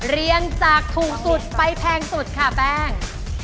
เรียงจากถูกสุดไปแพงสุดค่ะแป้ง